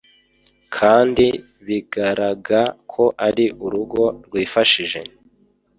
kandi bigaraga ko ari urugo rwifashije.